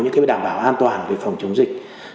những cái đảm bảo an toàn về phòng chống dịch